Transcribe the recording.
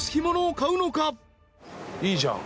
いいじゃん。